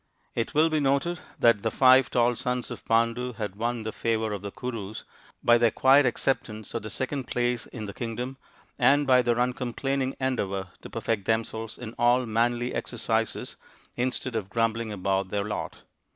It will be noted that the five tall sons of Pandu had won the favour of the Kurus by THE FIVE TALL SONS OF PANDU 73 their quiet acceptance of the second place in the kingdom, and by their uncomplaining endeavour to perfect themselves in all manly exercises instead of grumbling about their lot.